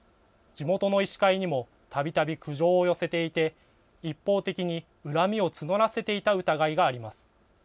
地元の医師会にもたびたび苦情を寄せていて一方的に恨みを募らせていた疑いがあります。